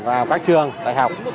vào các trường đại học